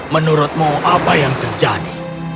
menurutmu apa yang terjadi